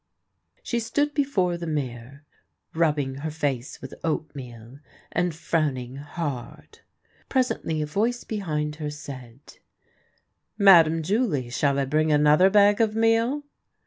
She stood before the mirror, rubbing her face with oatmeal and frowning hard. Presently a voice behind her said :" Madame Julie, shall I bring another bag of meal